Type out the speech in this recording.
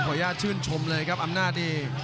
โอ้โหขออนุญาตชื่นชมเลยครับอำนาจเอง